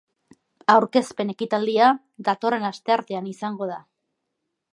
Aurkezpen ekitaldia datorren asteartean izango da.